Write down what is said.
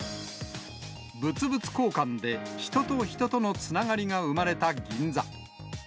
物々交換で、人と人とのつながりが生まれた銀座。